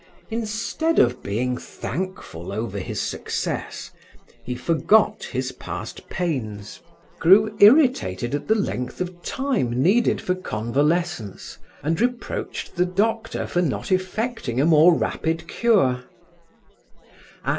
Instead of being thankful over his success, he forgot his past pains, grew irritated at the length of time needed for convalescence and reproached the doctor for not effecting a more rapid cure.